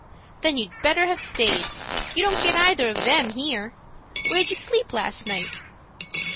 "Then you'd better have stayed. You don't get either of them here. Where'd you sleep last night?"